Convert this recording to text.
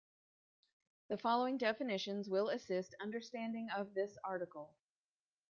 The following definitions will assist understanding of this article.